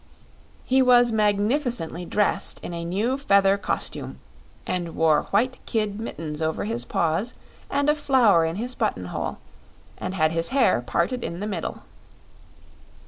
He was magnificently dressed in a new feather costume and wore white kid mittens over his paws and a flower in his button hole and had his hair parted in the middle.